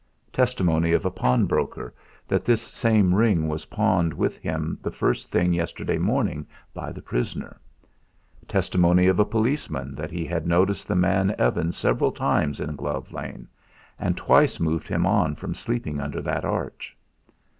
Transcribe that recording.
Testimony of a pawnbroker, that this same ring was pawned with him the first thing yesterday morning by the prisoner. Testimony of a policeman that he had noticed the man Evan several times in Glove Lane, and twice moved him on from sleeping under that arch.